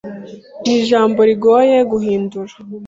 Nijambo rigoye guhindura.